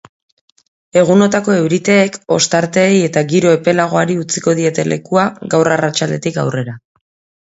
Egunotako euriteek ostarteei eta giro epelagoari utziko diete lekua gaur arratsaldetik aurrera.